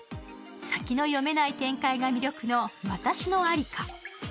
先の読めない展開が魅力の「私のアリカ」。